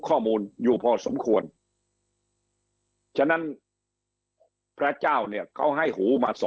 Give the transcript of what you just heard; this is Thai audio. ข้อมูลอยู่พอสมควรฉะนั้นพระเจ้าเนี่ยเขาให้หูมาสม